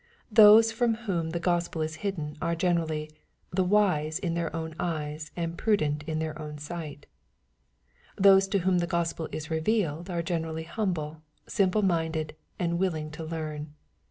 Those from whom the Gospel is hidden are generally ^^ the wise in their own eyes, and prudent in their own sight/' Those to whom the Gospel is revealed are generally humble, simple* minded, and willing to learn.